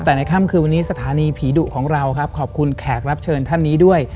แต่ในค่ำคืนวันนี้สถานีผีดุของเราครับขอบคุณแขกรับเชิญท่านนี้ด้วย